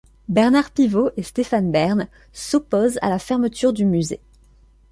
Bernard Pivot et Stéphane Bern s'opposent à la fermeture du musée.